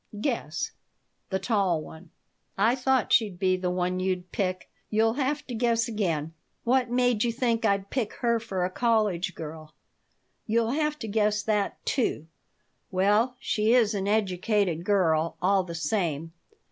"Guess." "The tall one." "I thought she'd be the one you'd pick. You'll have to guess again." "What made you think I'd pick her for a college girl?" "You'll have to guess that, too. Well, she is an educated girl, all the same."